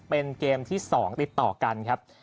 เป็นเกมที่๒ติดต่อกันครับ